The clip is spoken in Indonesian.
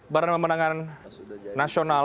barang pemenangan nasional